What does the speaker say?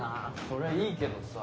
そりゃいいけどさ。